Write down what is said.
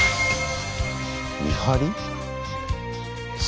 見張り？